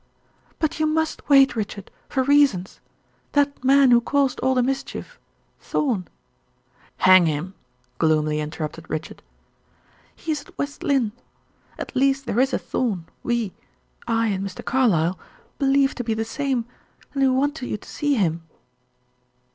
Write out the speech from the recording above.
"But you must wait, Richard, for reasons. That man who caused all the mischief Thorn " "Hang him!" gloomily interrupted Richard. "He is at West Lynne. At least there is a Thorn, we I and Mr. Carlyle believe to be the same, and we want you to see him."